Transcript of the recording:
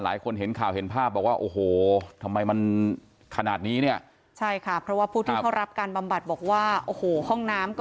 เห็นข่าวเห็นภาพบอกว่าโอ้โหทำไมมันขนาดนี้เนี่ยใช่ค่ะเพราะว่าผู้ที่เขารับการบำบัดบอกว่าโอ้โหห้องน้ำก็